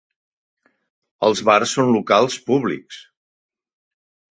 Els bars són locals públics.